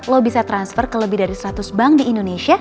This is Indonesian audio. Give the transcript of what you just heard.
lo bisa transfer ke lebih dari seratus bank di indonesia